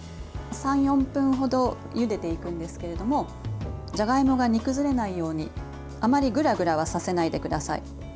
３４分ほどゆでていくんですけれどもじゃがいもが煮崩れないようにあまりグラグラはさせないでください。